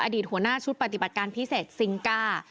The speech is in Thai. อดีตหัวหน้าชุดปฏิบัติการพิเศษซิงก้า